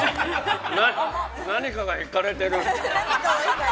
◆何かが引かれてる。